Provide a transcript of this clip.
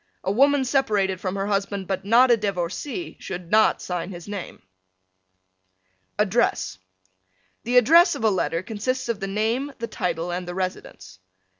A woman separated from her husband but not a divorcee should not sign his name. ADDRESS The address of a letter consists of the name, the title and the residence.